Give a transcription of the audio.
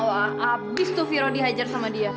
wah abis tuh viro dihajar sama dia